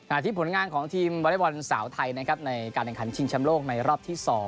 อาทิตย์ผลงานของทีมบริวัลสาวไทยนะครับในการแข่งขันชิงชำโลกในรอบที่สอง